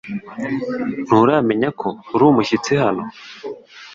Nturamenya ko urumushyitsi hano .